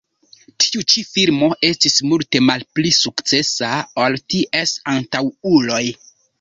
Tiu ĉi filmo estis multe malpli sukcesa ol ties antaŭuloj.